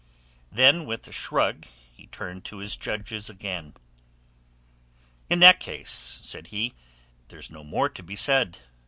Then with a shrug he turned to his judges again. "In that case," said he, "there's no more to be said.